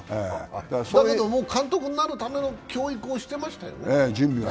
だけど監督になるための教育をしてましたよね。